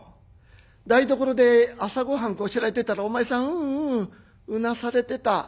台所で朝ごはんこしらえてたらお前さん『うううう』うなされてた。